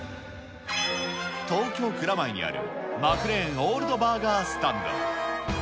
東京・蔵前にある、マクレーンオールドバーガースタンド。